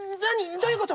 どういうこと？